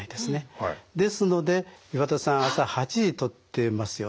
ですので岩田さん朝８時にとってますよね。